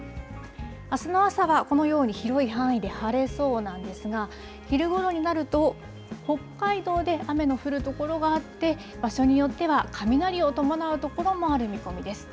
あすの朝はこのように、広い範囲で晴れそうなんですが、昼ごろになると、北海道で雨の降る所があって、場所によっては雷を伴う所もある見込みです。